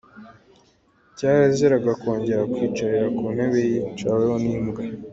Cyaraziraga kongera kwicara ku ntebe yicaweho n’imbwa.